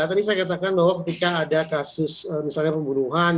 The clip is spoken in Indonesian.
tadi saya katakan bahwa ketika ada kasus misalnya pembunuhan